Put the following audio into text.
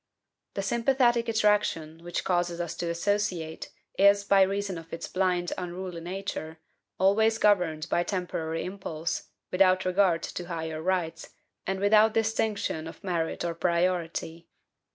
The sympathetic attraction, which causes us to associate, is, by reason of its blind, unruly nature, always governed by temporary impulse, without regard to higher rights, and without distinction of merit or priority.